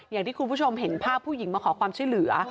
อย่างที่คุณผู้ชมเห็นภาพผู้หญิงมาขอความช่วยเหลือ